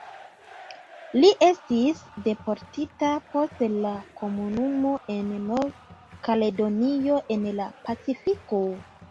Li estis deportita post la Komunumo en Nov-Kaledonio en la Pacifiko.